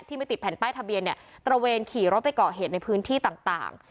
ไม่ติดแผ่นป้ายทะเบียนเนี่ยตระเวนขี่รถไปก่อเหตุในพื้นที่ต่าง